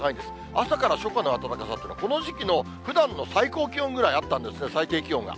朝から初夏の暖かさというのは、この時期のふだんの最高気温ぐらいあったんですね、最低気温が。